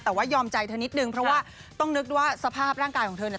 แต่ว่ายอมใจเธอนิดนึงเพราะว่าต้องนึกว่าสภาพร่างกายของเธอเนี่ย